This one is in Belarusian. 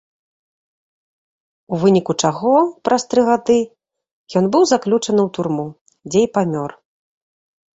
У выніку чаго, праз тры гады, ён быў заключаны ў турму, дзе і памёр.